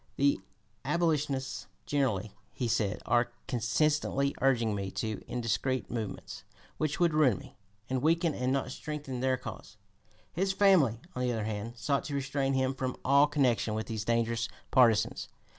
"The abolitionists generally," he said, "are constantly urging me to indiscreet movements, which would ruin me, and weaken and not strengthen their cause." His family, on the other hand, sought to restrain him from all connection with these dangerous partisans.